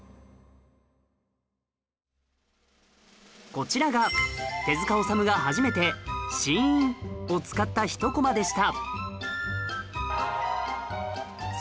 こちらが手治虫が初めて「シーン」を使ったひとコマでした